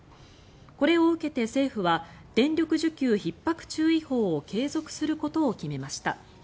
これを受けて政府は電力需給ひっ迫注意報を継続することを決めました。